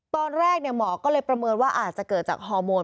ตอนแรกหมอก็เลยประเมินว่าอาจจะเกิดจากฮอร์โมน